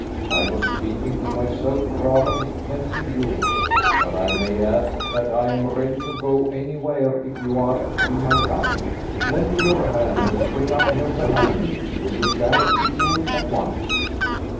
"I was speaking to myself rather than to you, but I may add that I am ready to go anywhere if you are to be my guide. Lend me your hand and spring up here behind me. We will gallop to Doune at once."